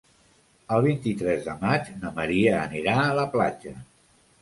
El vint-i-tres de maig na Maria anirà a la platja.